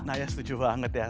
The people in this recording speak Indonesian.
nah ya setuju banget ya